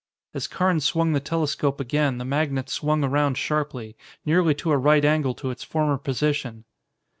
As Carnes swung the telescope again the magnet swung around sharply, nearly to a right angle to its former position.